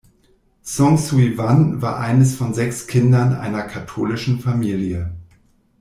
Song Sui-Wan war eines von sechs Kindern einer katholischen Familie.